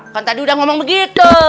kan tadi udah ngomong begitu